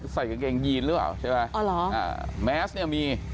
ใส่กางเกงยีนหรือเปล่าใช่ไหมอ๋อเหรออ่าแมสเนี่ยมี